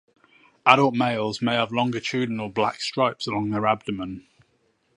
Adult males may have longitudinal black stripes along their abdomen.